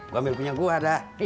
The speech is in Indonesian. gue ambil punya gue dah